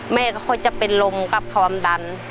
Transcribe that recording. แม่ค่อยจะลงกับความดัน